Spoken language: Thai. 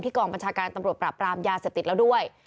กองบัญชาการตำรวจปราบปรามยาเสพติดแล้วด้วย